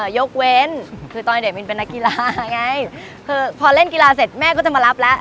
ยกเว้นคือตอนเด็กมินเป็นนักกีฬาไงคือพอเล่นกีฬาเสร็จแม่ก็จะมารับแล้ว